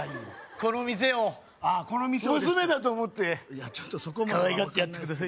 この店をああこの店を娘だと思ってちょっとそこまではかわいがってやってください